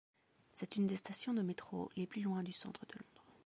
C'est une des stations de métro les plus loin du centre de Londres.